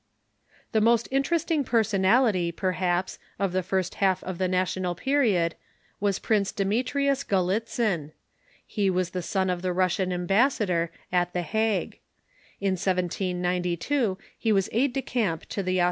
The most interesting personality, perhaps, of the first half of the National Period was Prince Demetrius Gallitzin. He was the son of the Russian ambassador at The The Russian jiafrue. In 1792 he was aide de camp to the Aus rrince pnest _^^..